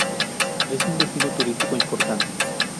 Es un destino turístico importante.